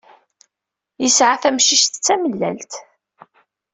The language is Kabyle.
Yesɛa tamcict d tamellalt.